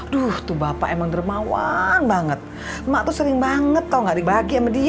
tuh bapak emang dermawan banget mak tuh sering banget tau nggak dibagi sama dia